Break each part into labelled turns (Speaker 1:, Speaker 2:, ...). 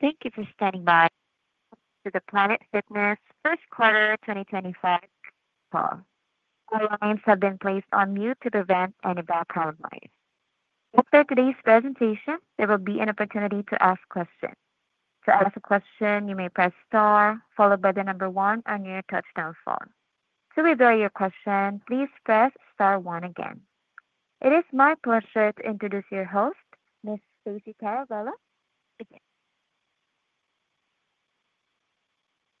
Speaker 1: Thank you for standing by for the Planet Fitness first quarter 2025 call. All lines have been placed on mute to prevent any background noise. After today's presentation, there will be an opportunity to ask questions. To ask a question, you may press star followed by the number one on your touchtone phone. To withdraw your question, please press star one again. It is my pleasure to introduce your host, Ms. Stacey Caravella.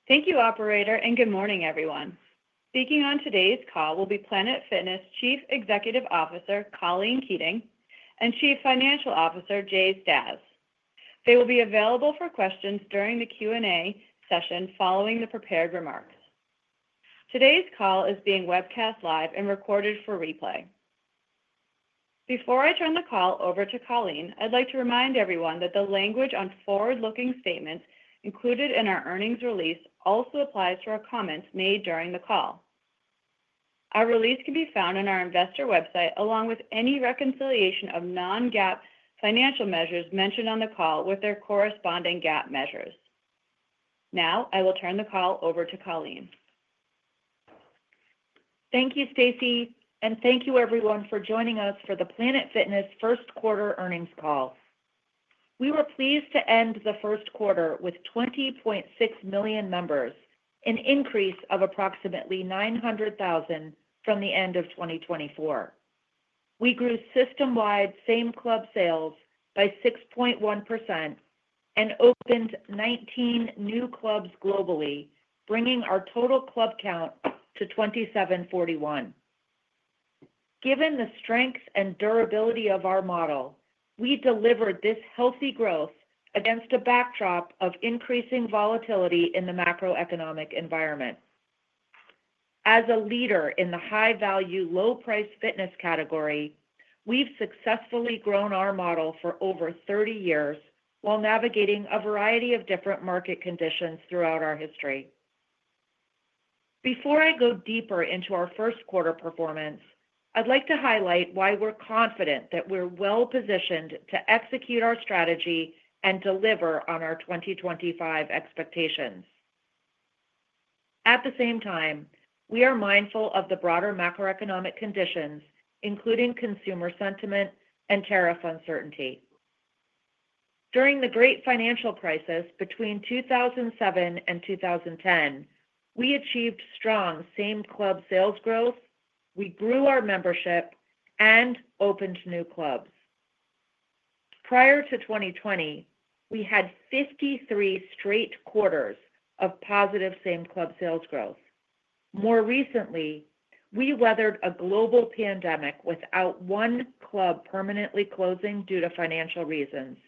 Speaker 2: Thank you, Operator, and good morning, everyone. Speaking on today's call will be Planet Fitness Chief Executive Officer Colleen Keating and Chief Financial Officer Jay Stasz. They will be available for questions during the Q&A session following the prepared remarks. Today's call is being webcast live and recorded for replay. Before I turn the call over to Colleen, I'd like to remind everyone that the language on forward-looking statements included in our earnings release also applies to our comments made during the call. Our release can be found on our investor website along with any reconciliation of non-GAAP financial measures mentioned on the call with their corresponding GAAP measures. Now, I will turn the call over to Colleen.
Speaker 3: Thank you, Stacey, and thank you, everyone, for joining us for the Planet Fitness first quarter earnings call. We were pleased to end the first quarter with 20.6 million members, an increase of approximately 900,000 from the end of 2024. We grew system-wide same club sales by 6.1% and opened 19 new clubs globally, bringing our total club count to 2,741. Given the strengths and durability of our model, we delivered this healthy growth against a backdrop of increasing volatility in the macroeconomic environment. As a leader in the high-value, low-priced fitness category, we've successfully grown our model for over 30 years while navigating a variety of different market conditions throughout our history. Before I go deeper into our first quarter performance, I'd like to highlight why we're confident that we're well-positioned to execute our strategy and deliver on our 2025 expectations. At the same time, we are mindful of the broader macroeconomic conditions, including consumer sentiment and tariff uncertainty. During the Great Financial Crisis between 2007 and 2010, we achieved strong same club sales growth, we grew our membership, and opened new clubs. Prior to 2020, we had 53 straight quarters of positive same club sales growth. More recently, we weathered a global pandemic without one club permanently closing due to financial reasons,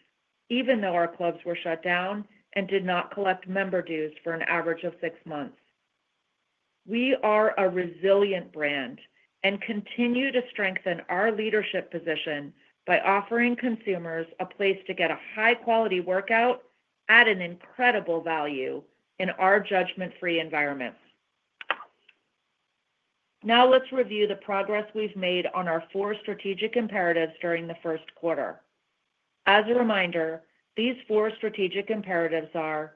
Speaker 3: even though our clubs were shut down and did not collect member dues for an average of six months. We are a resilient brand and continue to strengthen our leadership position by offering consumers a place to get a high-quality workout at an incredible value in our judgment-free environments. Now, let's review the progress we've made on our four strategic imperatives during the first quarter. As a reminder, these four strategic imperatives are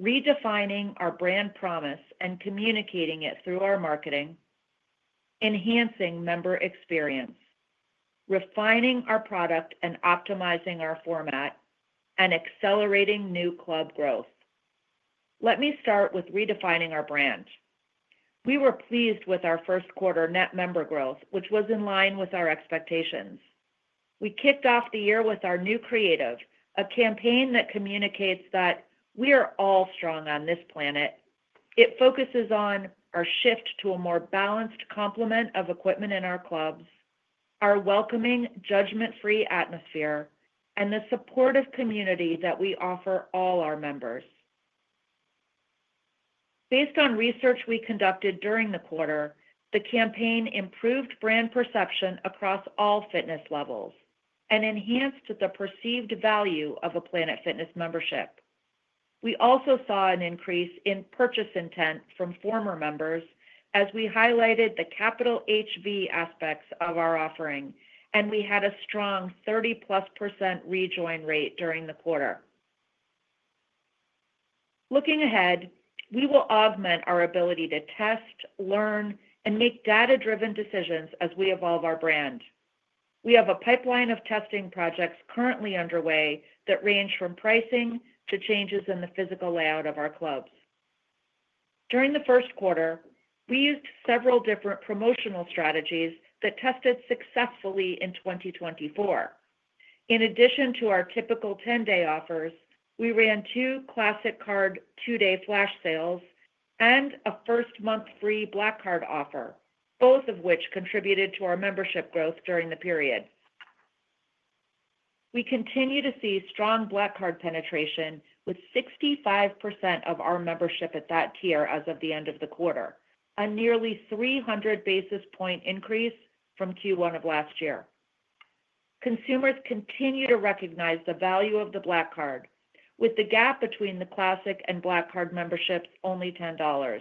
Speaker 3: redefining our brand promise and communicating it through our marketing, enhancing member experience, refining our product and optimizing our format, and accelerating new club growth. Let me start with redefining our brand. We were pleased with our first quarter net member growth, which was in line with our expectations. We kicked off the year with our new creative, a campaign that communicates that we are all strong on this planet. It focuses on our shift to a more balanced complement of equipment in our clubs, our welcoming, judgment-free atmosphere, and the supportive community that we offer all our members. Based on research we conducted during the quarter, the campaign improved brand perception across all fitness levels and enhanced the perceived value of a Planet Fitness membership. We also saw an increase in purchase intent from former members as we highlighted the capital HV aspects of our offering, and we had a strong 30+% rejoin rate during the quarter. Looking ahead, we will augment our ability to test, learn, and make data-driven decisions as we evolve our brand. We have a pipeline of testing projects currently underway that range from pricing to changes in the physical layout of our clubs. During the first quarter, we used several different promotional strategies that tested successfully in 2024. In addition to our typical 10-day offers, we ran two Classic Card two-day flash sales and a first-month free Black Card offer, both of which contributed to our membership growth during the period. We continue to see strong Black Card penetration with 65% of our membership at that tier as of the end of the quarter, a nearly 300 basis point increase from Q1 of last year. Consumers continue to recognize the value of the Black Card, with the gap between the Classic and Black Card memberships only $10.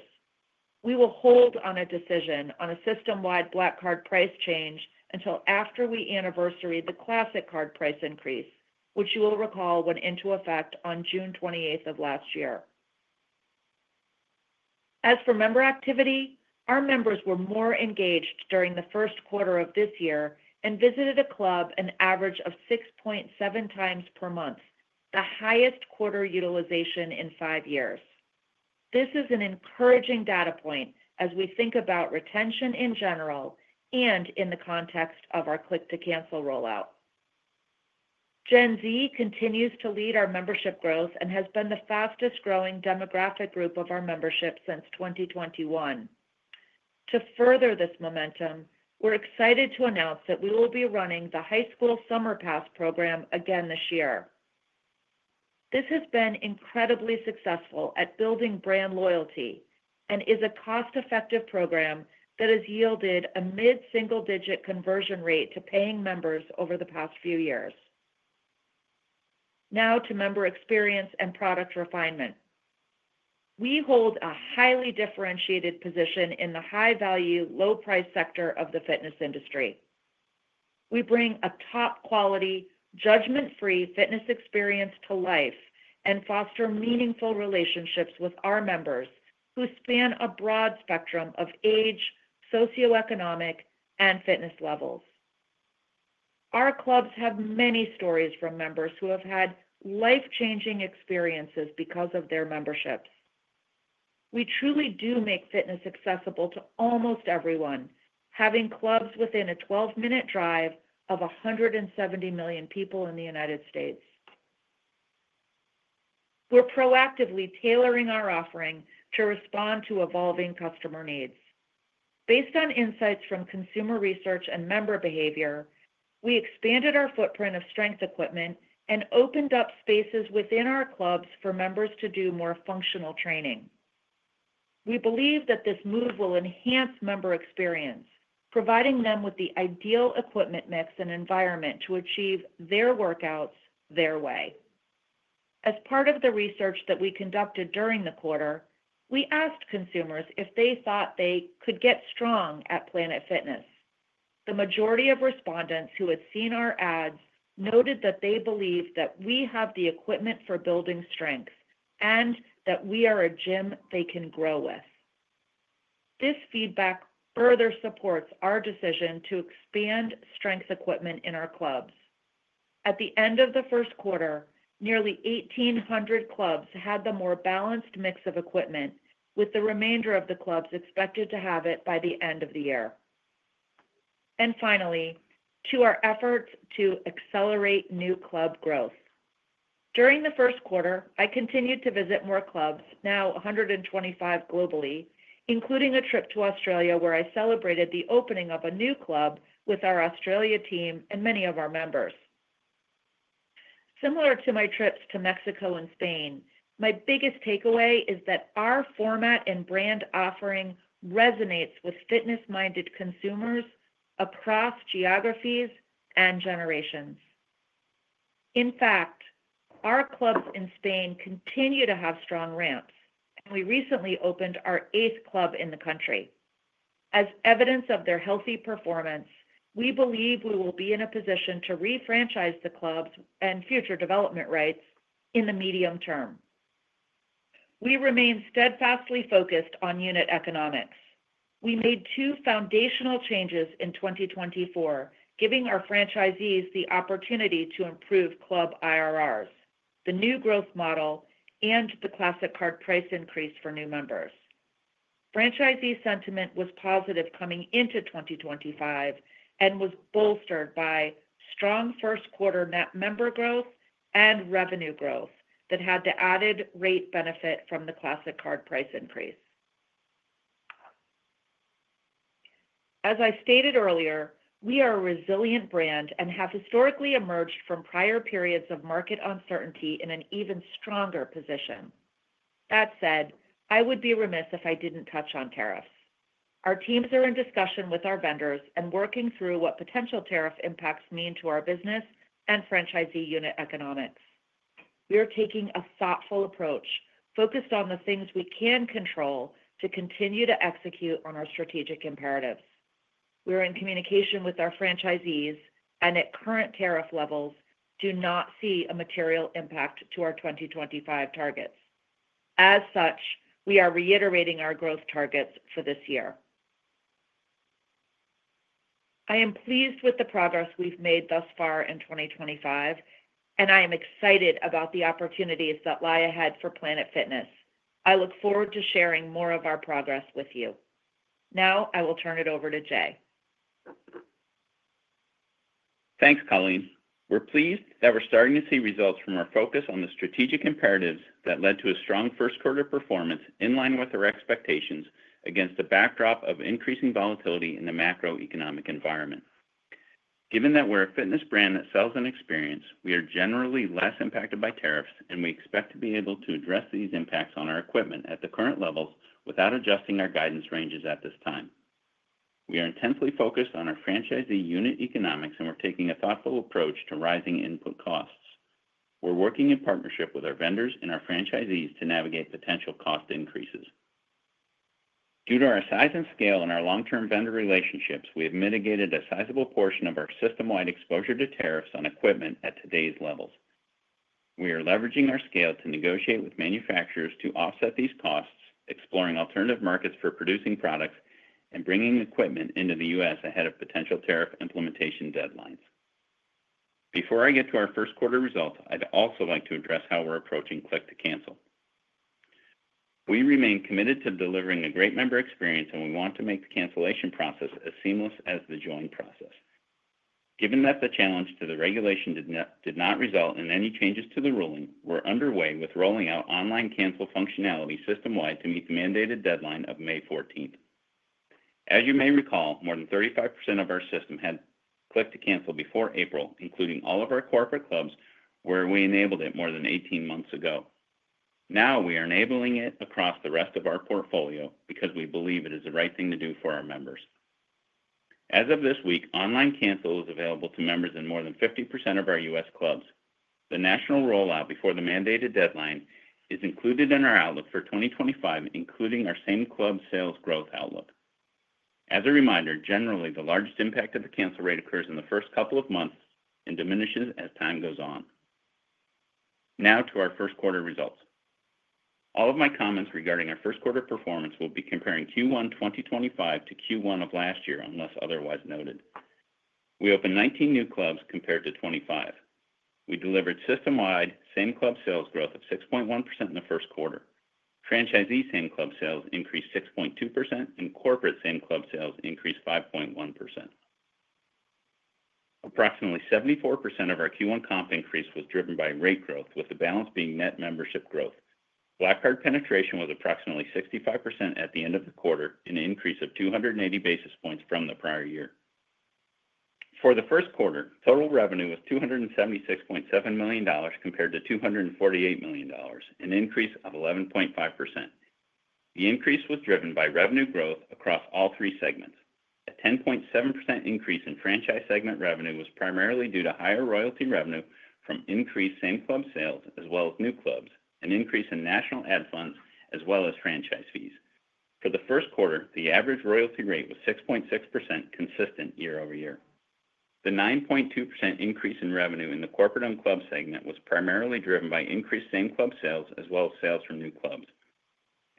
Speaker 3: We will hold on a decision on a system-wide Black Card price change until after we anniversary the Classic Card price increase, which you will recall went into effect on June 28th of last year. As for member activity, our members were more engaged during the first quarter of this year and visited a club an average of 6.7 times per month, the highest quarter utilization in five years. This is an encouraging data point as we think about retention in general and in the context of our click-to-cancel rollout. Gen Z continues to lead our membership growth and has been the fastest-growing demographic group of our membership since 2021. To further this momentum, we're excited to announce that we will be running the High School Summer Pass program again this year. This has been incredibly successful at building brand loyalty and is a cost-effective program that has yielded a mid-single-digit conversion rate to paying members over the past few years. Now to member experience and product refinement. We hold a highly differentiated position in the high-value, low-priced sector of the fitness industry. We bring a top-quality, judgment-free fitness experience to life and foster meaningful relationships with our members who span a broad spectrum of age, socioeconomic, and fitness levels. Our clubs have many stories from members who have had life-changing experiences because of their memberships. We truly do make fitness accessible to almost everyone, having clubs within a 12-minute drive of 170 million people in the United States. We're proactively tailoring our offering to respond to evolving customer needs. Based on insights from consumer research and member behavior, we expanded our footprint of strength equipment and opened up spaces within our clubs for members to do more functional training. We believe that this move will enhance member experience, providing them with the ideal equipment mix and environment to achieve their workouts their way. As part of the research that we conducted during the quarter, we asked consumers if they thought they could get strong at Planet Fitness. The majority of respondents who had seen our ads noted that they believe that we have the equipment for building strength and that we are a gym they can grow with. This feedback further supports our decision to expand strength equipment in our clubs. At the end of the first quarter, nearly 1,800 clubs had the more balanced mix of equipment, with the remainder of the clubs expected to have it by the end of the year. Finally, to our efforts to accelerate new club growth. During the first quarter, I continued to visit more clubs, now 125 globally, including a trip to Australia where I celebrated the opening of a new club with our Australia team and many of our members. Similar to my trips to Mexico and Spain, my biggest takeaway is that our format and brand offering resonates with fitness-minded consumers across geographies and generations. In fact, our clubs in Spain continue to have strong ramps, and we recently opened our eighth club in the country. As evidence of their healthy performance, we believe we will be in a position to refranchise the clubs and future development rights in the medium term. We remain steadfastly focused on unit economics. We made two foundational changes in 2024, giving our franchisees the opportunity to improve club IRRs, the new growth model, and the Classic Card price increase for new members. Franchisee sentiment was positive coming into 2025 and was bolstered by strong first quarter net member growth and revenue growth that had the added rate benefit from the Classic Card price increase. As I stated earlier, we are a resilient brand and have historically emerged from prior periods of market uncertainty in an even stronger position. That said, I would be remiss if I didn't touch on tariffs. Our teams are in discussion with our vendors and working through what potential tariff impacts mean to our business and franchisee unit economics. We are taking a thoughtful approach focused on the things we can control to continue to execute on our strategic imperatives. We are in communication with our franchisees, and at current tariff levels, do not see a material impact to our 2025 targets. As such, we are reiterating our growth targets for this year. I am pleased with the progress we've made thus far in 2025, and I am excited about the opportunities that lie ahead for Planet Fitness. I look forward to sharing more of our progress with you. Now, I will turn it over to Jay.
Speaker 4: Thanks, Colleen. We're pleased that we're starting to see results from our focus on the strategic imperatives that led to a strong first quarter performance in line with our expectations against a backdrop of increasing volatility in the macroeconomic environment. Given that we're a fitness brand that sells an experience, we are generally less impacted by tariffs, and we expect to be able to address these impacts on our equipment at the current levels without adjusting our guidance ranges at this time. We are intensely focused on our franchisee unit economics, and we're taking a thoughtful approach to rising input costs. We're working in partnership with our vendors and our franchisees to navigate potential cost increases. Due to our size and scale and our long-term vendor relationships, we have mitigated a sizable portion of our system-wide exposure to tariffs on equipment at today's levels. We are leveraging our scale to negotiate with manufacturers to offset these costs, exploring alternative markets for producing products, and bringing equipment into the U.S. ahead of potential tariff implementation deadlines. Before I get to our first quarter results, I'd also like to address how we're approaching click-to-cancel. We remain committed to delivering a great member experience, and we want to make the cancellation process as seamless as the join process. Given that the challenge to the regulation did not result in any changes to the ruling, we're underway with rolling out online cancel functionality system-wide to meet the mandated deadline of May 14. As you may recall, more than 35% of our system had click-to-cancel before April, including all of our corporate clubs, where we enabled it more than 18 months ago. Now, we are enabling it across the rest of our portfolio because we believe it is the right thing to do for our members. As of this week, online cancel is available to members in more than 50% of our U.S. clubs. The national rollout before the mandated deadline is included in our outlook for 2025, including our same club sales growth outlook. As a reminder, generally, the largest impact of the cancel rate occurs in the first couple of months and diminishes as time goes on. Now, to our first quarter results. All of my comments regarding our first quarter performance will be comparing Q1 2025 to Q1 of last year, unless otherwise noted. We opened 19 new clubs compared to 25. We delivered system-wide same club sales growth of 6.1% in the first quarter. Franchisee same club sales increased 6.2%, and corporate same club sales increased 5.1%. Approximately 74% of our Q1 comp increase was driven by rate growth, with the balance being net membership growth. Black Card penetration was approximately 65% at the end of the quarter, an increase of 280 basis points from the prior year. For the first quarter, total revenue was $276.7 million compared to $248 million, an increase of 11.5%. The increase was driven by revenue growth across all three segments. A 10.7% increase in franchise segment revenue was primarily due to higher royalty revenue from increased same club sales as well as new clubs, an increase in national ad funds as well as franchise fees. For the first quarter, the average royalty rate was 6.6%, consistent year over year. The 9.2% increase in revenue in the corporate and club segment was primarily driven by increased same club sales as well as sales from new clubs.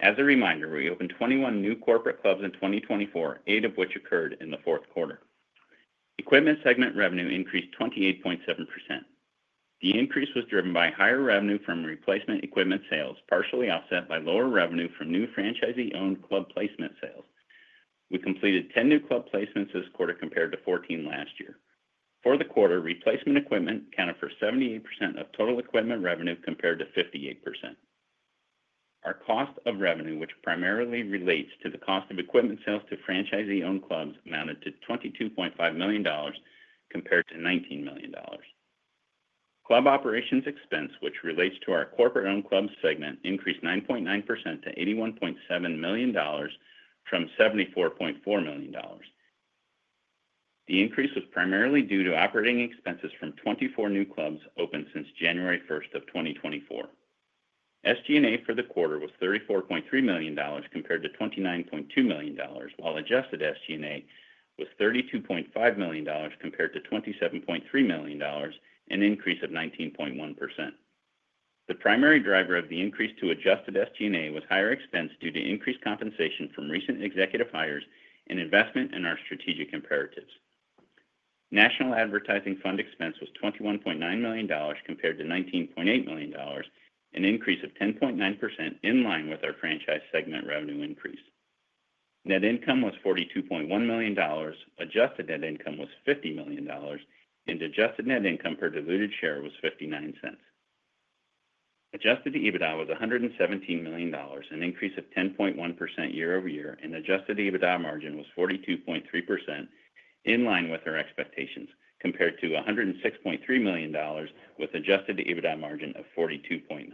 Speaker 4: As a reminder, we opened 21 new corporate clubs in 2024, eight of which occurred in the fourth quarter. Equipment segment revenue increased 28.7%. The increase was driven by higher revenue from replacement equipment sales, partially offset by lower revenue from new franchisee-owned club placement sales. We completed 10 new club placements this quarter compared to 14 last year. For the quarter, replacement equipment accounted for 78% of total equipment revenue compared to 58%. Our cost of revenue, which primarily relates to the cost of equipment sales to franchisee-owned clubs, amounted to $22.5 million compared to $19 million. Club operations expense, which relates to our corporate-owned clubs segment, increased 9.9% to $81.7 million from $74.4 million. The increase was primarily due to operating expenses from 24 new clubs opened since January 1st of 2024. SG&A for the quarter was $34.3 million compared to $29.2 million, while adjusted SG&A was $32.5 million compared to $27.3 million, an increase of 19.1%. The primary driver of the increase to adjusted SG&A was higher expense due to increased compensation from recent executive hires and investment in our strategic imperatives. National advertising fund expense was $21.9 million compared to $19.8 million, an increase of 10.9% in line with our franchise segment revenue increase. Net income was $42.1 million. Adjusted net income was $50 million, and adjusted net income per diluted share was $0.59. Adjusted EBITDA was $117 million, an increase of 10.1% year over year, and adjusted EBITDA margin was 42.3% in line with our expectations compared to $106.3 million with adjusted EBITDA margin of 42.9%.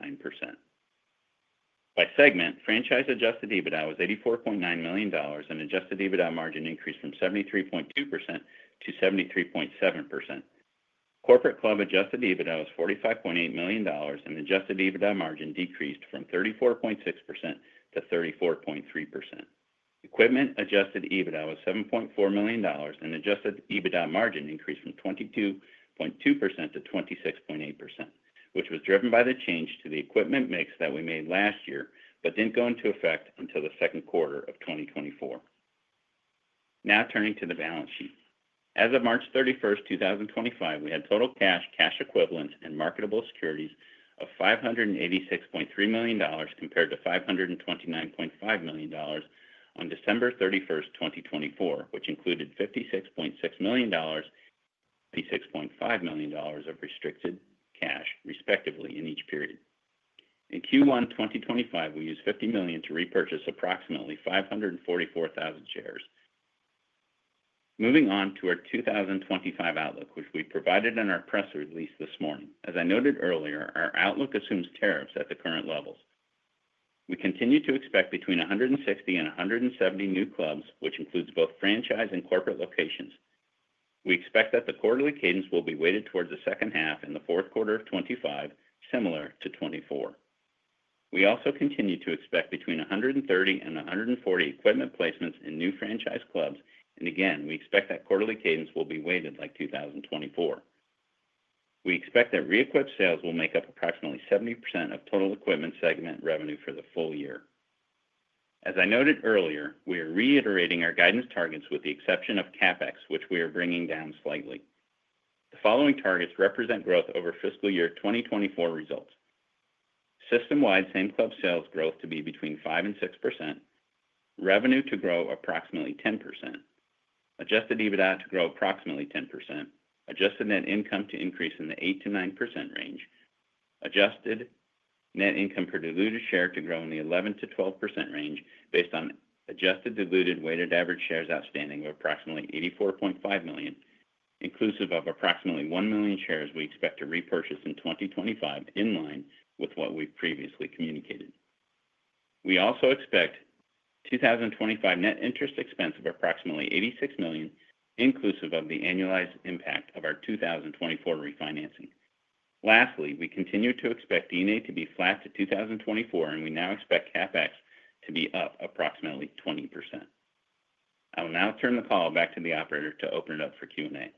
Speaker 4: By segment, franchise adjusted EBITDA was $84.9 million, and adjusted EBITDA margin increased from 73.2% to 73.7%. Corporate club adjusted EBITDA was $45.8 million, and adjusted EBITDA margin decreased from 34.6% to 34.3%. Equipment adjusted EBITDA was $7.4 million, and adjusted EBITDA margin increased from 22.2% to 26.8%, which was driven by the change to the equipment mix that we made last year but did not go into effect until the second quarter of 2024. Now, turning to the balance sheet. As of March 31, 2025, we had total cash, cash equivalents, and marketable securities of $586.3 million compared to $529.5 million on December 31, 2024, which included $56.6 million and $56.5 million of restricted cash, respectively, in each period. In Q1 2025, we used $50 million to repurchase approximately 544,000 shares. Moving on to our 2025 outlook, which we provided in our press release this morning. As I noted earlier, our outlook assumes tariffs at the current levels. We continue to expect between 160-170 new clubs, which includes both franchise and corporate locations. We expect that the quarterly cadence will be weighted towards the second half and the fourth quarter of 2025, similar to 2024. We also continue to expect between 130-140 equipment placements in new franchise clubs, and again, we expect that quarterly cadence will be weighted like 2024. We expect that re-equip sales will make up approximately 70% of total equipment segment revenue for the full year. As I noted earlier, we are reiterating our guidance targets with the exception of CapEx, which we are bringing down slightly. The following targets represent growth over fiscal year 2024 results. System-wide same club sales growth to be between 5%-6%, revenue to grow approximately 10%, adjusted EBITDA to grow approximately 10%, adjusted net income to increase in the 8%-9% range, adjusted net income per diluted share to grow in the 11%-12% range based on adjusted diluted weighted average shares outstanding of approximately $84.5 million, inclusive of approximately 1 million shares we expect to repurchase in 2025 in line with what we've previously communicated. We also expect 2025 net interest expense of approximately $86 million, inclusive of the annualized impact of our 2024 refinancing. Lastly, we continue to expect DNA to be flat to 2024, and we now expect CapEx to be up approximately 20%. I will now turn the call back to the operator to open it up for Q&A.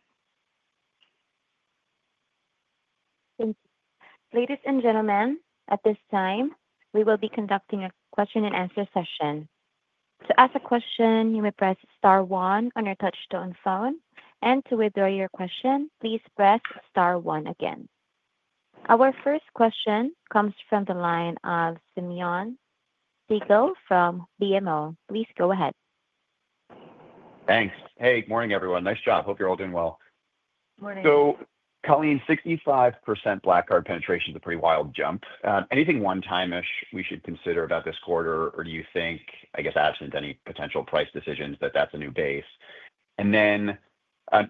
Speaker 1: Ladies and gentlemen, at this time, we will be conducting a question-and-answer session. To ask a question, you may press Star 1 on your touchstone phone, and to withdraw your question, please press Star 1 again. Our first question comes from the line of Simeon Siegel from BMO. Please go ahead.
Speaker 5: Thanks. Hey, good morning, everyone. Nice job. Hope you're all doing well.
Speaker 3: Morning.
Speaker 5: Colleen, 65% Black Card penetration is a pretty wild jump. Anything one-time-ish we should consider about this quarter, or do you think, I guess, absent any potential price decisions, that that's a new base?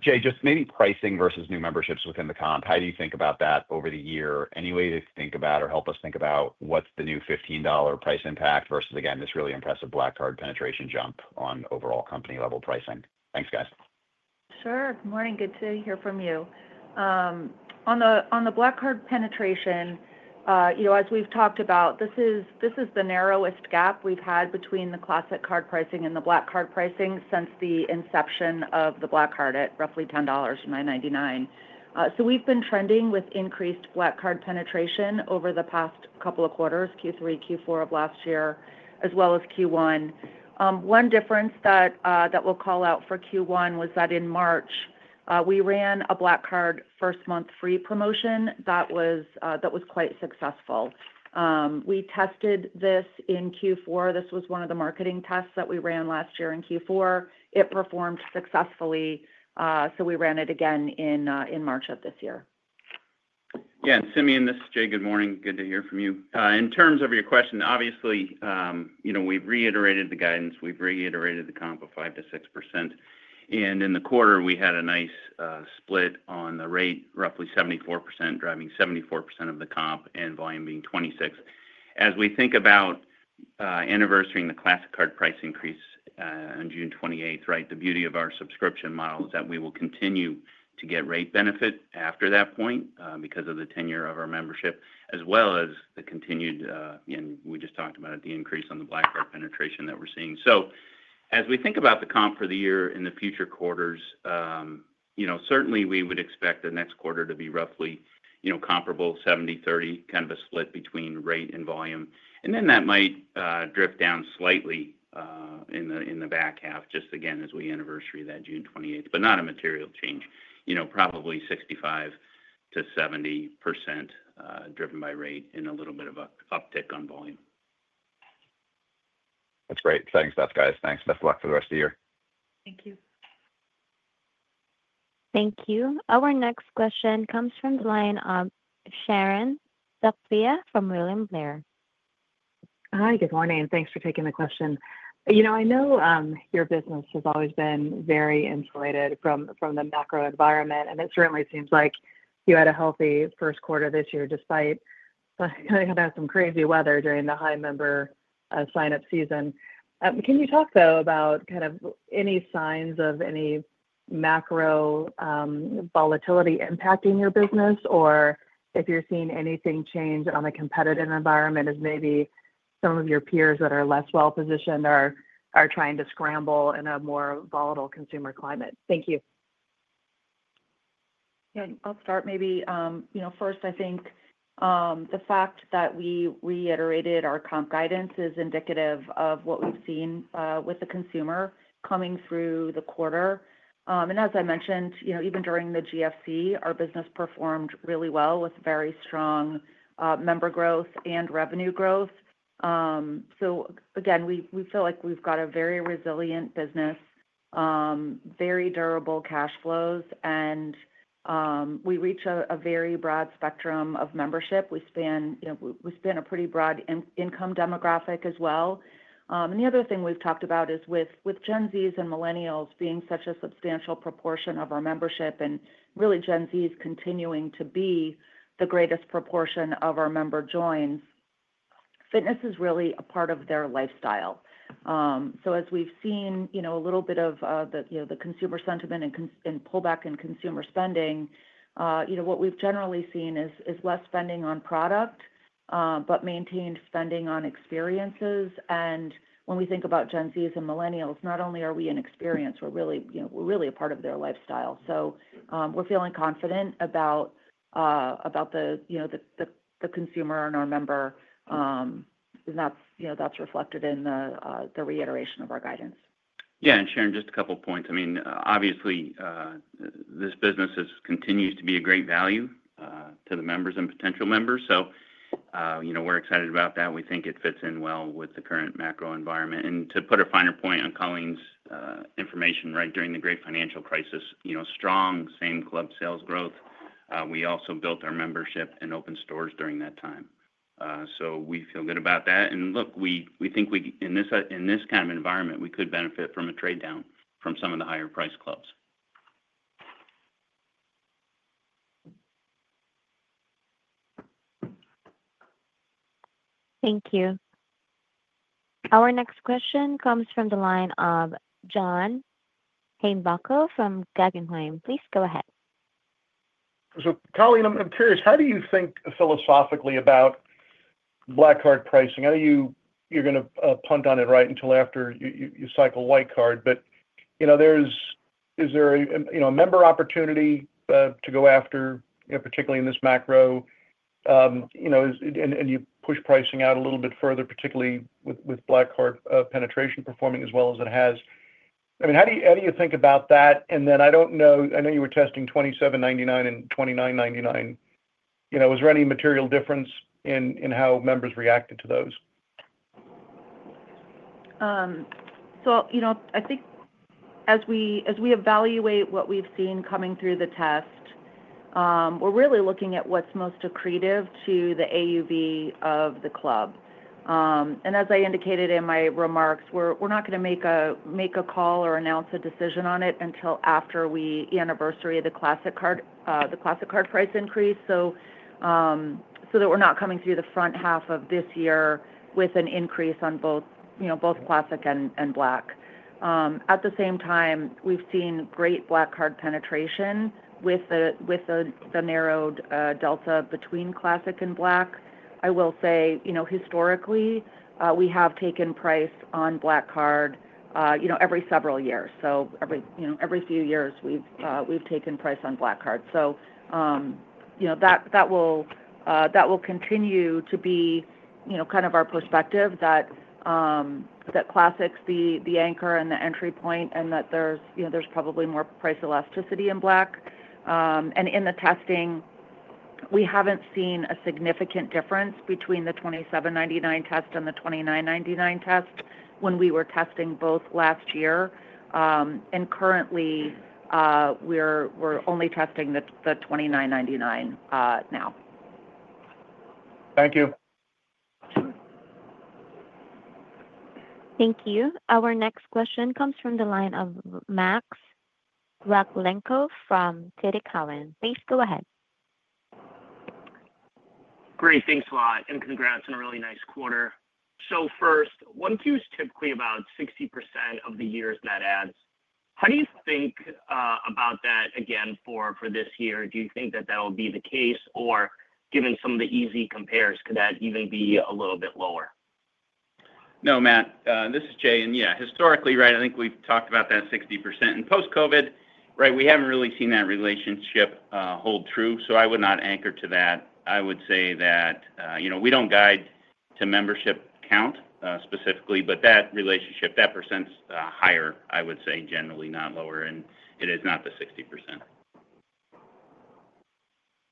Speaker 5: Jay, just maybe pricing versus new memberships within the comp, how do you think about that over the year? Any way to think about or help us think about what's the new $15 price impact versus, again, this really impressive Black Card penetration jump on overall company-level pricing? Thanks, guys.
Speaker 3: Sure. Good morning. Good to hear from you. On the Black Card penetration, as we've talked about, this is the narrowest gap we've had between the Classic Card pricing and the Black Card pricing since the inception of the Black Card at roughly $10.99. So we've been trending with increased Black Card penetration over the past couple of quarters, Q3, Q4 of last year, as well as Q1. One difference that we'll call out for Q1 was that in March, we ran a Black Card first-month free promotion that was quite successful. We tested this in Q4. This was one of the marketing tests that we ran last year in Q4. It performed successfully, so we ran it again in March of this year. Yeah.
Speaker 4: And Simeon, this is Jay. Good morning. Good to hear from you. In terms of your question, obviously, we've reiterated the guidance. We've reiterated the comp of 5%-6%. In the quarter, we had a nice split on the rate, roughly 74%, driving 74% of the comp and volume being 26%. As we think about anniversary and the Classic Card price increase on June 28th, right, the beauty of our subscription model is that we will continue to get rate benefit after that point because of the tenure of our membership, as well as the continued—and we just talked about it—the increase on the Black Card penetration that we're seeing. As we think about the comp for the year in the future quarters, certainly, we would expect the next quarter to be roughly comparable, 70/30, kind of a split between rate and volume. That might drift down slightly in the back half, just again, as we anniversary that June 28th, but not a material change. Probably 65% to 70% driven by rate and a little bit of an uptick on volume.
Speaker 5: That's great. Thanks, guys. Thanks. Best of luck for the rest of the year. Thank you.
Speaker 1: Thank you. Our next question comes from the line of Sharon Zackfia from William Blair.
Speaker 3: Hi. Good morning. Thanks for taking the question. I know your business has always been very insulated from the macro environment, and it certainly seems like you had a healthy first quarter this year despite some crazy weather during the high member sign-up season. Can you talk, though, about kind of any signs of any macro volatility impacting your business, or if you're seeing anything change on the competitive environment as maybe some of your peers that are less well-positioned are trying to scramble in a more volatile consumer climate? Thank you. Yeah. I'll start maybe first. I think the fact that we reiterated our comp guidance is indicative of what we've seen with the consumer coming through the quarter. As I mentioned, even during the GFC, our business performed really well with very strong member growth and revenue growth. Again, we feel like we've got a very resilient business, very durable cash flows, and we reach a very broad spectrum of membership. We span a pretty broad income demographic as well. The other thing we've talked about is with Gen Zs and millennials being such a substantial proportion of our membership, and really Gen Zs continuing to be the greatest proportion of our member joins, fitness is really a part of their lifestyle. As we've seen a little bit of the consumer sentiment and pullback in consumer spending, what we've generally seen is less spending on product but maintained spending on experiences. When we think about Gen Zs and millennials, not only are we an experience, we are really a part of their lifestyle. We are feeling confident about the consumer and our member, and that is reflected in the reiteration of our guidance.
Speaker 4: Yeah. Sharon, just a couple of points. I mean, obviously, this business continues to be a great value to the members and potential members. We are excited about that. We think it fits in well with the current macro environment. To put a finer point on Colleen's information, right, during the great financial crisis, strong same club sales growth. We also built our membership and opened stores during that time. We feel good about that. In this kind of environment, we could benefit from a trade-down from some of the high er-priced clubs. Thank you.
Speaker 1: Our next question comes from the line of John Heinbockel from Guggenheim. Please go ahead.
Speaker 6: Colleen, I'm curious. How do you think philosophically about Black Card pricing? I know you're going to punt on it right until after you cycle White Card, but is there a member opportunity to go after, particularly in this macro? You push pricing out a little bit further, particularly with Black Card penetration performing as well as it has. I mean, how do you think about that? I don't know. I know you were testing $27.99 and $29.99. Was there any material difference in how members reacted to those?
Speaker 3: I think as we evaluate what we've seen coming through the test, we're really looking at what's most accretive to the AUV of the club. As I indicated in my remarks, we're not going to make a call or announce a decision on it until after we anniversary the Classic Card price increase so that we're not coming through the front half of this year with an increase on both Classic and Black. At the same time, we've seen great Black Card penetration with the narrowed delta between Classic and Black. I will say, historically, we have taken price on Black Card every several years. Every few years, we've taken price on Black Card. That will continue to be kind of our perspective that Classic's the anchor and the entry point, and that there's probably more price elasticity in Black. In the testing, we haven't seen a significant difference between the $27.99 test and the $29.99 test when we were testing both last year. Currently, we're only testing the $29.99 now.
Speaker 6: Thank you.
Speaker 1: Thank you. Our next question comes from the line of Max Rakhlenko from TD Cowen. Please go ahead.
Speaker 7: Great. Thanks a lot. And congrats on a really nice quarter. First, one piece, typically about 60% of the year's net adds. How do you think about that again for this year? Do you think that that'll be the case, or given some of the easy compares, could that even be a little bit lower?
Speaker 4: No, Max. This is Jay. Yeah, historically, right, I think we've talked about that 60%. Post-COVID, right, we haven't really seen that relationship hold true. I would not anchor to that. I would say that we do not guide to membership count specifically, but that relationship, that percent's higher, I would say, generally, not lower. It is not the 60%.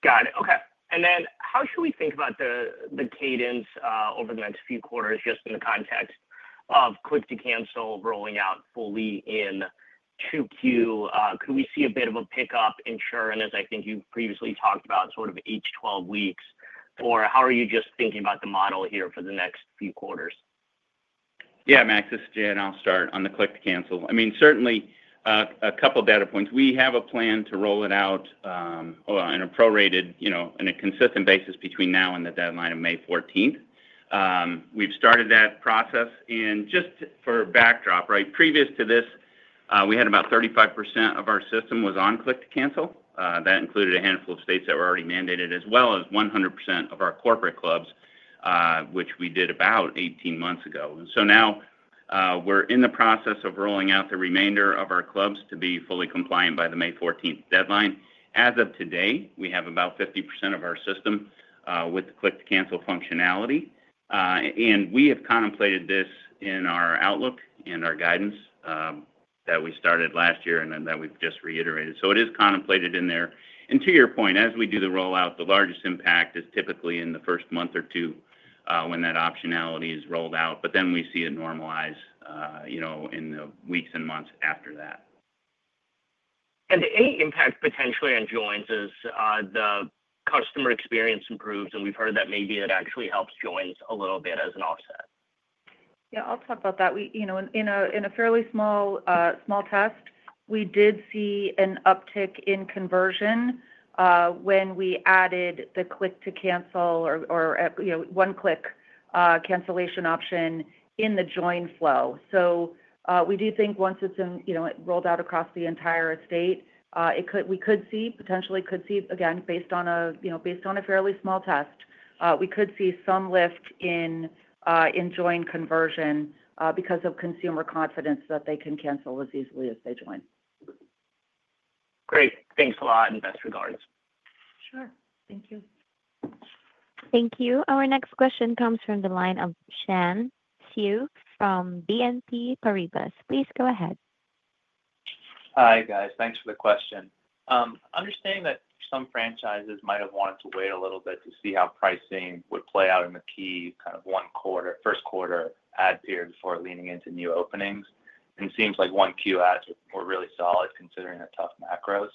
Speaker 4: Got it.
Speaker 7: Okay. And then how should we think about the cadence over the next few quarters just in the context of Click-to-cancel rolling out fully in Q2? Could we see a bit of a pickup in churn as I think you've previously talked about sort of each 12 weeks? Or how are you just thinking about the model here for the next few quarters?
Speaker 4: Yeah, Matt. This is Jay. And I'll start on the Click-to-cancel. I mean, certainly, a couple of data points. We have a plan to roll it out on a prorated, on a consistent basis between now and the deadline of May 14th. We've started that process. And just for backdrop, right, previous to this, we had about 35% of our system was on Click-to-cancel. That included a handful of states that were already mandated, as well as 100% of our corporate clubs, which we did about 18 months ago. We are in the process of rolling out the remainder of our clubs to be fully compliant by the May 14th deadline. As of today, we have about 50% of our system with Click-to-cancel functionality. We have contemplated this in our outlook and our guidance that we started last year and that we've just reiterated. It is contemplated in there. To your point, as we do the rollout, the largest impact is typically in the first month or two when that optionality is rolled out, but then we see it normalize in the weeks and months after that. Any impact potentially on joins as the customer experience improves? We've heard that maybe it actually helps joins a little bit as an offset.
Speaker 3: Yeah. I'll talk about that. In a fairly small test, we did see an uptick in conversion when we added the Quick to Cancel or one-click cancellation option in the join flow. We do think once it's rolled out across the entire estate, we could see, potentially could see, again, based on a fairly small test, we could see some lift in join conversion because of consumer confidence that they can cancel as easily as they join.
Speaker 7: Great. Thanks a lot and best regards. Sure. Thank you.
Speaker 1: Thank you. Our next question comes from the line of Shan He from BNP Paribas. Please go ahead.
Speaker 8: Hi, guys. Thanks for the question. Understanding that some franchisees might have wanted to wait a little bit to see how pricing would play out in the key kind of one quarter, first quarter ad period before leaning into new openings. It seems like one Q ads were really solid considering a tough macro.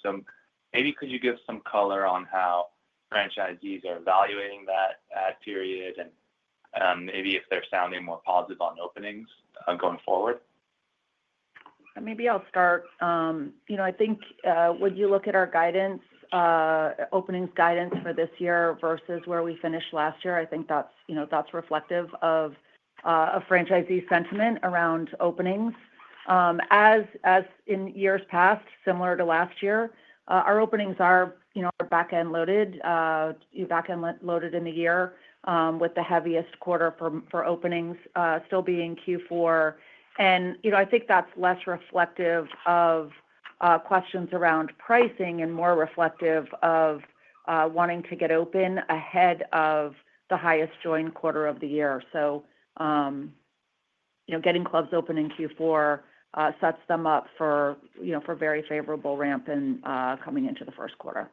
Speaker 8: Maybe could you give some color on how franchisees are evaluating that ad period and maybe if they're sounding more positive on openings going forward?
Speaker 3: Maybe I'll start. I think when you look at our guidance, openings guidance for this year versus where we finished last year, I think that's reflective of a franchisee sentiment around openings. As in years past, similar to last year, our openings are back-end loaded, back-end loaded in the year with the heaviest quarter for openings still being Q4. I think that's less reflective of questions around pricing and more reflective of wanting to get open ahead of the highest join quarter of the year. Getting clubs open in Q4 sets them up for very favorable ramp in coming into the first quarter.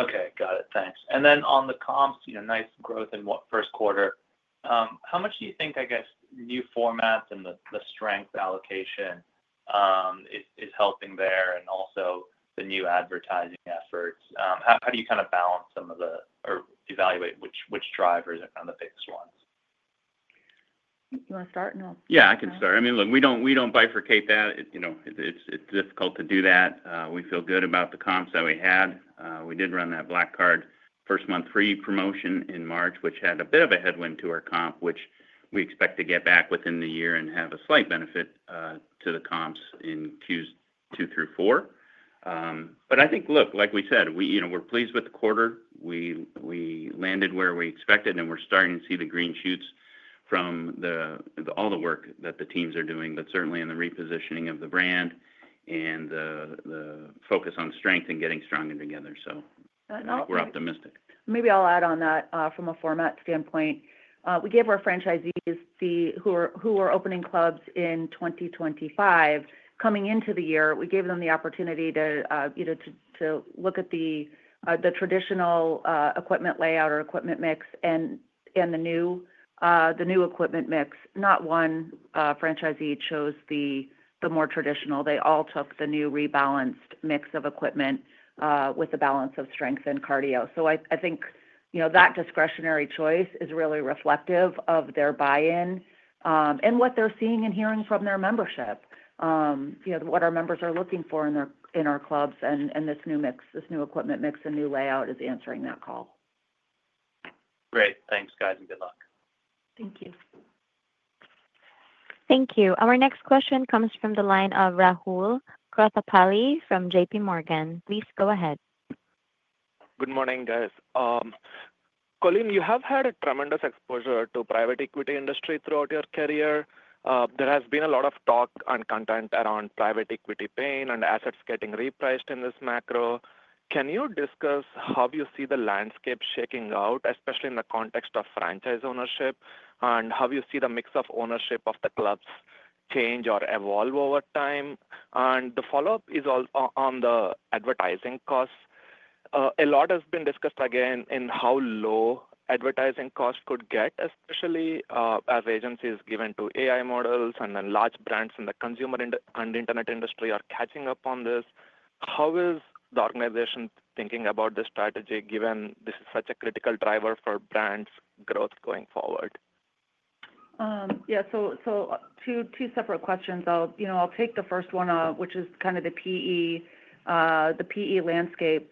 Speaker 8: Okay. Got it. Thanks. On the comps, nice growth in first quarter. How much do you think, I guess, new formats and the strength allocation is helping there and also the new advertising efforts? How do you kind of balance some of the or evaluate which drivers are kind of the biggest ones?
Speaker 3: You want to start? No.
Speaker 4: Yeah. I can start. I mean, look, we don't bifurcate that. It's difficult to do that. We feel good about the comps that we had. We did run that Black Card first-month free promotion in March, which had a bit of a headwind to our comp, which we expect to get back within the year and have a slight benefit to the comps in Qs 2 through 4. I think, look, like we said, we're pleased with the quarter. We landed where we expected, and we're starting to see the green shoots from all the work that the teams are doing, certainly in the repositioning of the brand and the focus on strength and getting stronger together. We're optimistic.
Speaker 3: Maybe I'll add on that from a format standpoint. We gave our franchisees who were opening clubs in 2025 coming into the year the opportunity to look at the traditional equipment layout or equipment mix and the new equipment mix. Not one franchisee chose the more traditional. They all took the new rebalanced mix of equipment with a balance of strength and cardio. I think that discretionary choice is really reflective of their buy-in and what they're seeing and hearing from their membership, what our members are looking for in our clubs. This new mix, this new equipment mix and new layout is answering that call.
Speaker 8: Great. Thanks, guys, and good luck.
Speaker 3: Thank you.
Speaker 1: Thank you. Our next question comes from the line of Rahul Krotthapalli from JPMorgan. Please go ahead.
Speaker 9: Good morning, guys. Colleen, you have had a tremendous exposure to private equity industry throughout your career. There has been a lot of talk and content around private equity pain and assets getting repriced in this macro. Can you discuss how you see the landscape shaking out, especially in the context of franchise ownership, and how you see the mix of ownership of the clubs change or evolve over time? The follow-up is on the advertising costs. A lot has been discussed, again, in how low advertising costs could get, especially as agencies given to AI models and then large brands in the consumer and internet industry are catching up on this. How is the organization thinking about this strategy given this is such a critical driver for brands' growth going forward?
Speaker 3: Yeah. Two separate questions. I'll take the first one, which is kind of the PE landscape.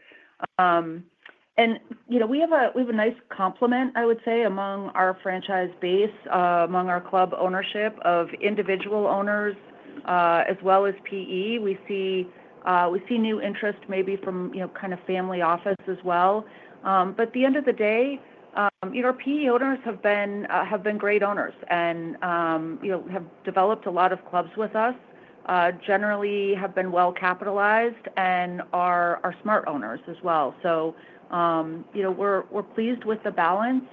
Speaker 3: We have a nice complement, I would say, among our franchise base, among our club ownership of individual owners as well as PE. We see new interest maybe from kind of family office as well. At the end of the day, our PE owners have been great owners and have developed a lot of clubs with us, generally have been well capitalized, and are smart owners as well. We are pleased with the balance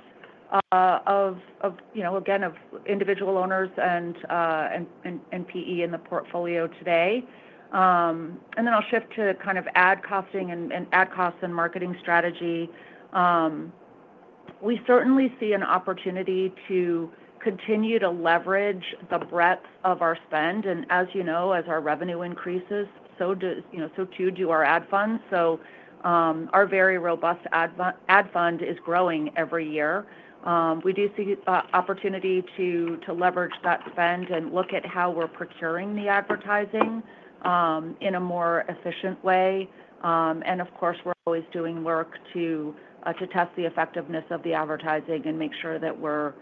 Speaker 3: of, again, of individual owners and PE in the portfolio today. I will shift to kind of ad costing and ad costs and marketing strategy. We certainly see an opportunity to continue to leverage the breadth of our spend. As you know, as our revenue increases, so too do our ad funds. Our very robust ad fund is growing every year. We do see opportunity to leverage that spend and look at how we are procuring the advertising in a more efficient way. Of course, we're always doing work to test the effectiveness of the advertising and make sure that we're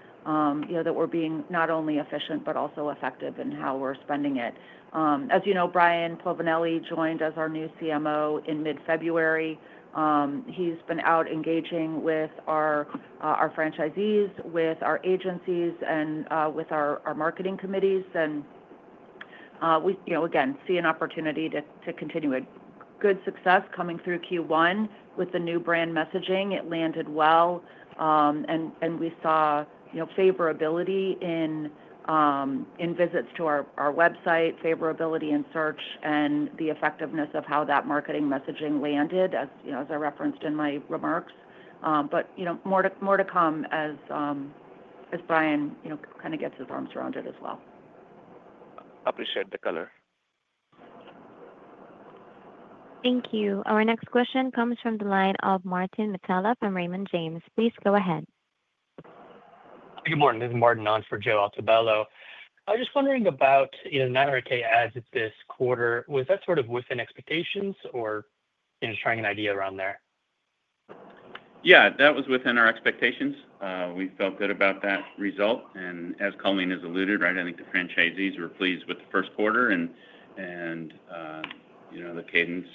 Speaker 3: being not only efficient but also effective in how we're spending it. As you know, Brian Povanelli joined as our new CMO in mid-February. He's been out engaging with our franchisees, with our agencies, and with our marketing committees. We, again, see an opportunity to continue a good success coming through Q1 with the new brand messaging. It landed well, and we saw favorability in visits to our website, favorability in search, and the effectiveness of how that marketing messaging landed, as I referenced in my remarks. More to come as Brian kind of gets his arms around it as well. Appreciate the color.
Speaker 1: Thank you. Our next question comes from the line of Martin Mitela and Raymond James. Please go ahead.
Speaker 10: Good morning. This is Martin on for Joe Altobello. I was just wondering about 900,000 ads this quarter. Was that sort of within expectations or just trying an idea around there?
Speaker 4: Yeah. That was within our expectations. We felt good about that result. And as Colleen has alluded, right, I think the franchisees were pleased with the first quarter and the cadence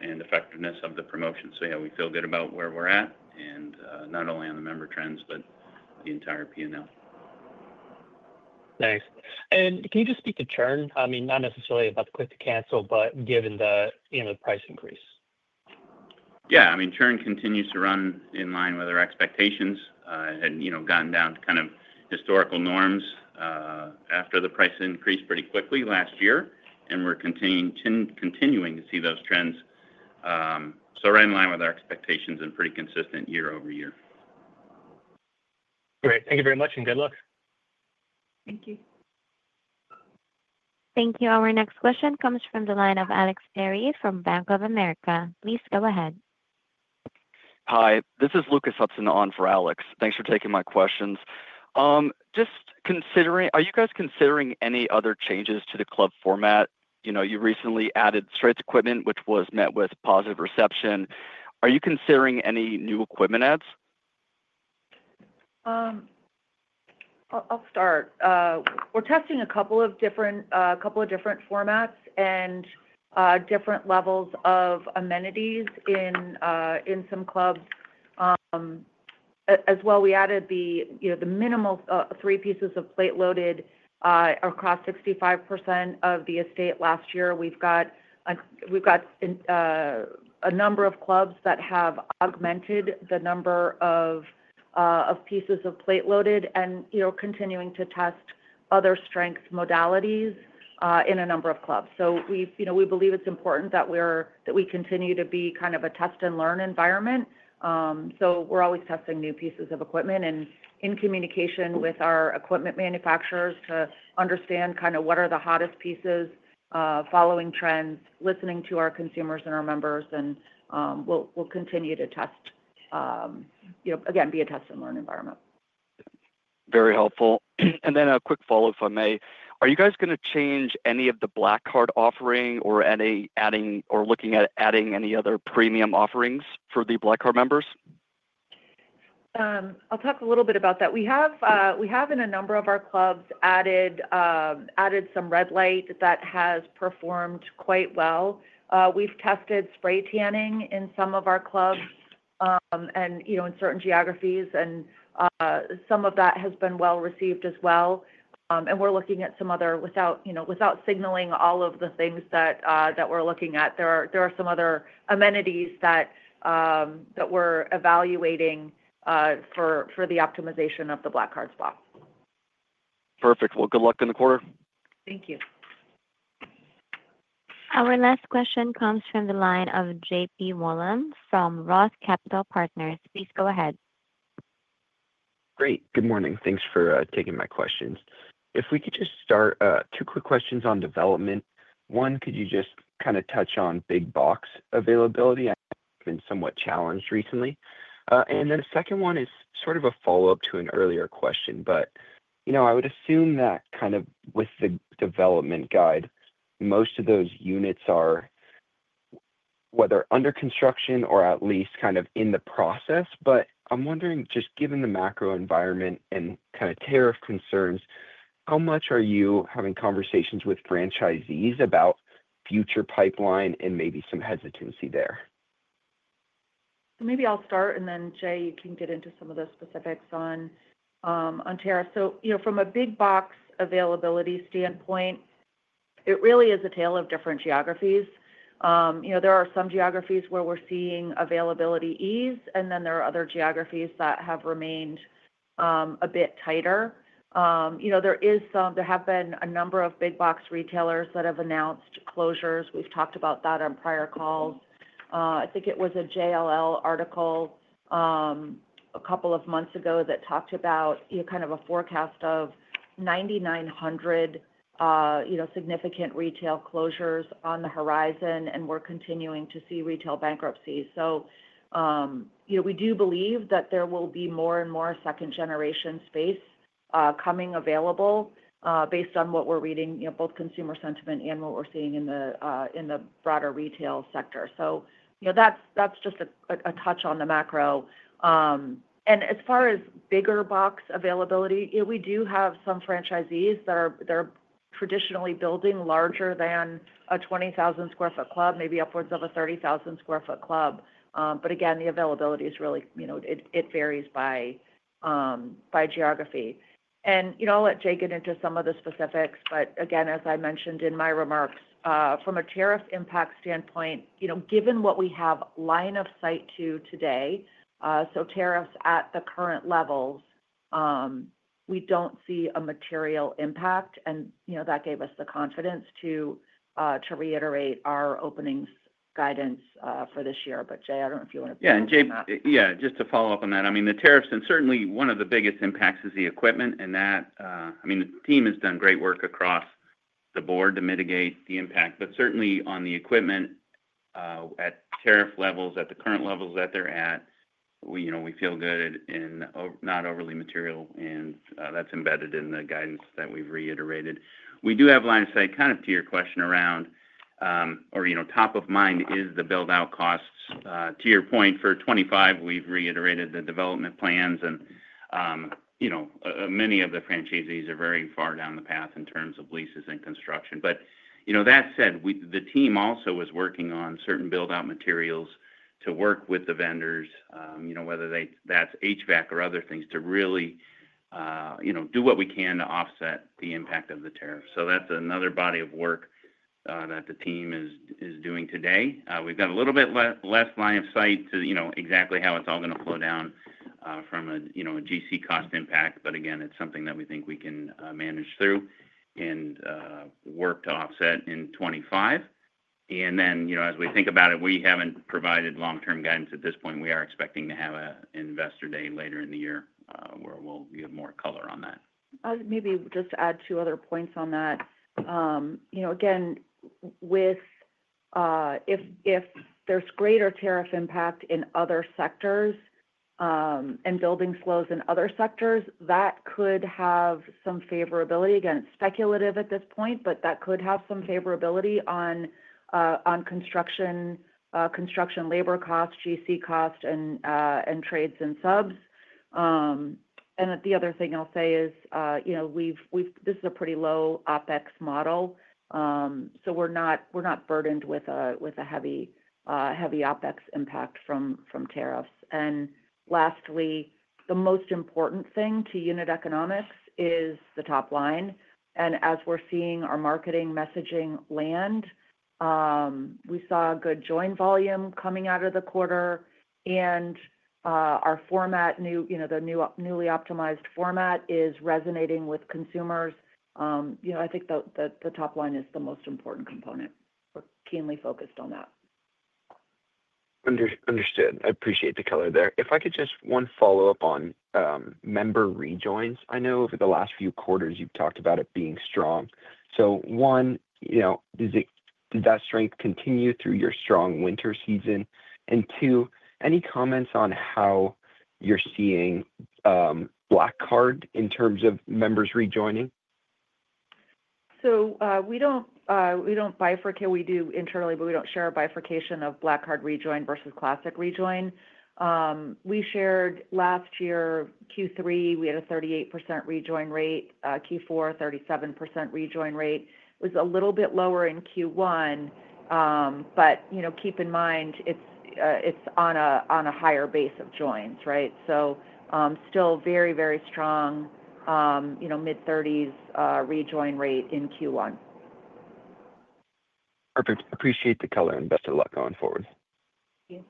Speaker 4: and effectiveness of the promotion. Yeah, we feel good about where we're at, and not only on the member trends, but the entire P&L.
Speaker 10: Thanks. And can you just speak to churn? I mean, not necessarily about the Click-to-cancel, but given the price increase.
Speaker 4: Yeah. I mean, churn continues to run in line with our expectations and gotten down to kind of historical norms after the price increased pretty quickly last year. We're continuing to see those trends. We're in line with our expectations and pretty consistent year over year.
Speaker 10: Great. Thank you very much and good luck. Thank you.
Speaker 1: Thank you. Our next question comes from the line of Alex Ferry from Bank of America. Please go ahead.
Speaker 11: Hi. This is Lucas Hudson on for Alex. Thanks for taking my questions. Are you guys considering any other changes to the club format? You recently added strength equipment, which was met with positive reception. Are you considering any new equipment ads?
Speaker 3: I'll start. We're testing a couple of different formats and different levels of amenities in some clubs. As well, we added the minimal three pieces of plate loaded across 65% of the estate last year. We've got a number of clubs that have augmented the number of pieces of plate loaded and continuing to test other strength modalities in a number of clubs. We believe it's important that we continue to be kind of a test-and-learn environment. We're always testing new pieces of equipment and in communication with our equipment manufacturers to understand kind of what are the hottest pieces, following trends, listening to our consumers and our members. We'll continue to test, again, be a test-and-learn environment. Very helpful. A quick follow-up, if I may. Are you guys going to change any of the Black Card offering or looking at adding any other premium offerings for the Black Card members? I'll talk a little bit about that. We have, in a number of our clubs, added some red light that has performed quite well. We've tested spray tanning in some of our clubs and in certain geographies, and some of that has been well received as well. We're looking at some other, without signaling all of the things that we're looking at, there are some other amenities that we're evaluating for the optimization of the Black Card spot.
Speaker 11: Perfect. Good luck in the quarter. Thank you.
Speaker 1: Our last question comes from the line of JP Moreland from Roth Capital Partners. Please go ahead.
Speaker 12: Great. Good morning. Thanks for taking my questions. If we could just start, two quick questions on development. One, could you just kind of touch on big box availability? I've been somewhat challenged recently. The second one is sort of a follow-up to an earlier question, but I would assume that kind of with the development guide, most of those units are whether under construction or at least kind of in the process. I'm wondering, just given the macro environment and kind of tariff concerns, how much are you having conversations with franchisees about future pipeline and maybe some hesitancy there?
Speaker 3: Maybe I'll start, and then Jay can get into some of the specifics on tariff. From a big box availability standpoint, it really is a tale of different geographies. There are some geographies where we're seeing availability ease, and then there are other geographies that have remained a bit tighter. There have been a number of big box retailers that have announced closures. We've talked about that on prior calls. I think it was a JLL article a couple of months ago that talked about kind of a forecast of 9,900 significant retail closures on the horizon, and we're continuing to see retail bankruptcies. We do believe that there will be more and more second-generation space coming available based on what we're reading, both consumer sentiment and what we're seeing in the broader retail sector. That's just a touch on the macro. As far as bigger box availability, we do have some franchisees that are traditionally building larger than a 20,000 sq ft club, maybe upwards of a 30,000 sq ft club. Again, the availability really varies by geography. I'll let Jay get into some of the specifics. As I mentioned in my remarks, from a tariff impact standpoint, given what we have line of sight to today, tariffs at the current levels, we don't see a material impact. That gave us the confidence to reiterate our openings guidance for this year. Jay, I don't know if you want to.
Speaker 4: Yeah.
Speaker 12: Jay, yeah, just to follow up on that. I mean, the tariffs, and certainly one of the biggest impacts is the equipment, and that, I mean, the team has done great work across the board to mitigate the impact. Certainly on the equipment at tariff levels, at the current levels that they're at, we feel good and not overly material. That's embedded in the guidance that we've reiterated. We do have line of sight kind of to your question around or top of mind is the build-out costs. To your point, for 2025, we've reiterated the development plans, and many of the franchisees are very far down the path in terms of leases and construction. That said, the team also is working on certain build-out materials to work with the vendors, whether that's HVAC or other things, to really do what we can to offset the impact of the tariff. That's another body of work that the team is doing today. We've got a little bit less line of sight to exactly how it's all going to flow down from a GC cost impact. Again, it's something that we think we can manage through and work to offset in 2025. As we think about it, we haven't provided long-term guidance at this point. We are expecting to have an investor day later in the year where we'll give more color on that.
Speaker 3: Maybe just add two other points on that. Again, if there's greater tariff impact in other sectors and building slows in other sectors, that could have some favorability. Again, it's speculative at this point, but that could have some favorability on construction, construction labor costs, GC costs, and trades and subs. The other thing I'll say is this is a pretty low OpEx model, so we're not burdened with a heavy OpEx impact from tariffs. Lastly, the most important thing to unit economics is the top line. As we're seeing our marketing messaging land, we saw good join volume coming out of the quarter, and our format, the newly optimized format, is resonating with consumers. I think the top line is the most important component. We're keenly focused on that.
Speaker 12: Understood. I appreciate the color there. If I could just one follow-up on member rejoins. I know over the last few quarters, you've talked about it being strong. One, does that strength continue through your strong winter season? Any comments on how you're seeing Black Card in terms of members rejoining?
Speaker 3: We do internally, but we do not share a bifurcation of Black Card rejoin versus Classic rejoin. We shared last year Q3, we had a 38% rejoin rate, Q4, 37% rejoin rate. It was a little bit lower in Q1, but keep in mind it is on a higher base of joins, right? Still very, very strong mid-30% rejoin rate in Q1.
Speaker 12: Perfect. Appreciate the color and best of luck going forward. Thank you.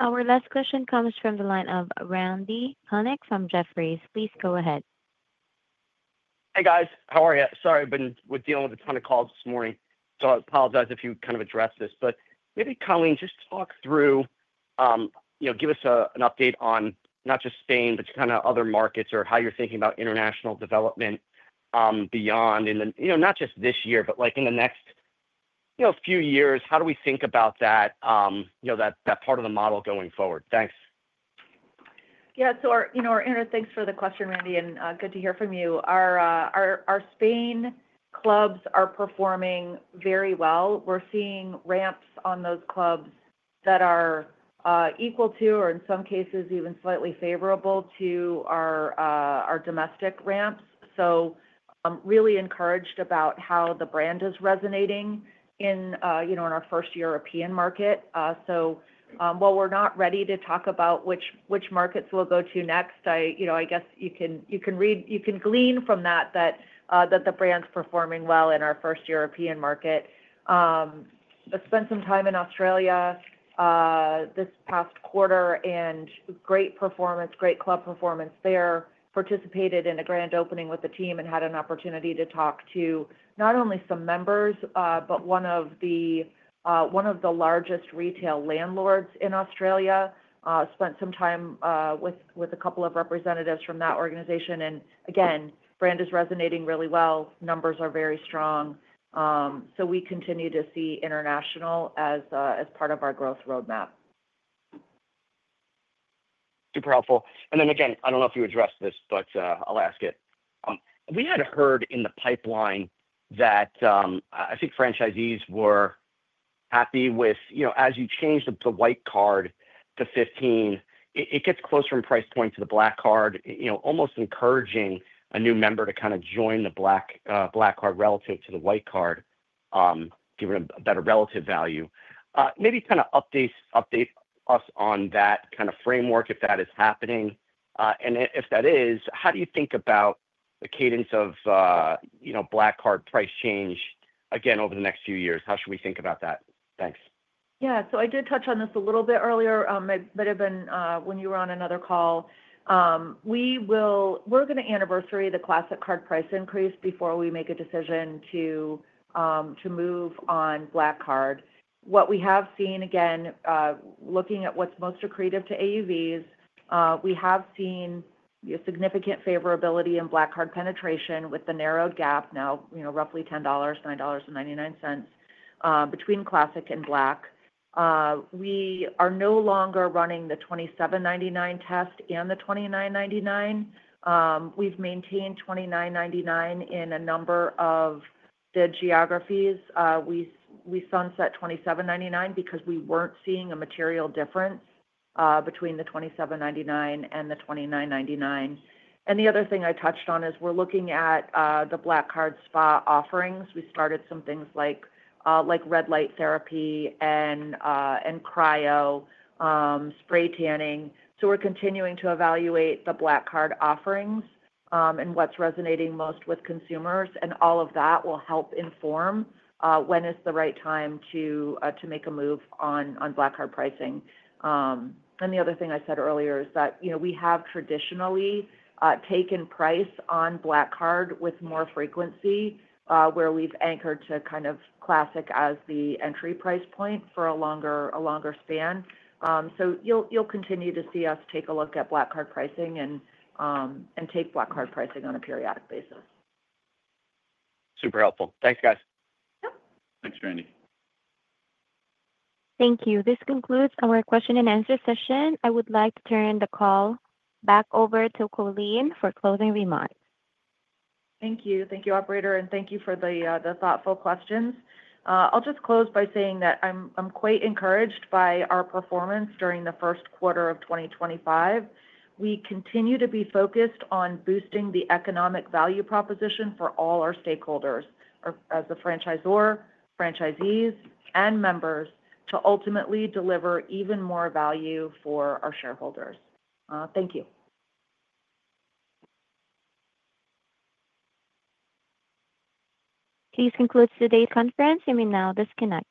Speaker 1: Our last question comes from the line of Randy Konik from Jefferies. Please go ahead.
Speaker 13: Hey, guys. How are you? Sorry, I have been dealing with a ton of calls this morning. I apologize if you kind of addressed this. Maybe Colleen, just talk through, give us an update on not just Spain, but kind of other markets or how you're thinking about international development beyond, and not just this year, but in the next few years, how do we think about that part of the model going forward? Thanks.
Speaker 3: Yeah. Thanks for the question, Randy, and good to hear from you. Our Spain clubs are performing very well. We're seeing ramps on those clubs that are equal to, or in some cases, even slightly favorable to our domestic ramps. I'm really encouraged about how the brand is resonating in our first European market. While we're not ready to talk about which markets we'll go to next, I guess you can glean from that that the brand's performing well in our first European market. I spent some time in Australia this past quarter and great performance, great club performance there. Participated in a grand opening with the team and had an opportunity to talk to not only some members, but one of the largest retail landlords in Australia. Spent some time with a couple of representatives from that organization. Again, brand is resonating really well. Numbers are very strong. We continue to see international as part of our growth roadmap.
Speaker 13: Super helpful. I do not know if you addressed this, but I'll ask it. We had heard in the pipeline that I think franchisees were happy with, as you change the white card to $15, it gets closer in price point to the Black Card, almost encouraging a new member to kind of join the Black Card relative to the white card, giving them a better relative value. Maybe kind of update us on that kind of framework if that is happening. If that is, how do you think about the cadence of Black Card price change again over the next few years? How should we think about that? Thanks.
Speaker 3: Yeah. I did touch on this a little bit earlier, but it had been when you were on another call. We're going to anniversary the Classic Card price increase before we make a decision to move on Black Card. What we have seen, again, looking at what's most accretive to AUVs, we have seen significant favorability in Black Card penetration with the narrow gap now, roughly $10, $9.99 between Classic and Black. We are no longer running the $27.99 test and the $29.99. We've maintained $29.99 in a number of the geographies. We sunset $27.99 because we were not seeing a material difference between the $27.99 and the $29.99. The other thing I touched on is we are looking at the Black Card spa offerings. We started some things like red light therapy and cryo, spray tanning. We are continuing to evaluate the Black Card offerings and what is resonating most with consumers. All of that will help inform when is the right time to make a move on Black Card pricing. The other thing I said earlier is that we have traditionally taken price on Black Card with more frequency, where we have anchored to kind of Classic as the entry price point for a longer span. You will continue to see us take a look at Black Card pricing and take Black Card pricing on a periodic basis.
Speaker 13: Super helpful. Thanks, guys.
Speaker 4: Thanks, Randy. Thank you.
Speaker 1: This concludes our question and answer session. I would like to turn the call back over to Colleen for closing remarks. Thank you.
Speaker 3: Thank you, operator. Thank you for the thoughtful questions. I'll just close by saying that I'm quite encouraged by our performance during the first quarter of 2025. We continue to be focused on boosting the economic value proposition for all our stakeholders as a franchisor, franchisees, and members to ultimately deliver even more value for our shareholders. Thank you.
Speaker 1: Please conclude today's conference. You may now disconnect.